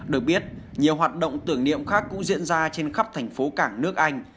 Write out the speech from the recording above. được biết nhiều hoạt động tưởng niệm khác cũng diễn ra trên khắp thành phố cảng nước anh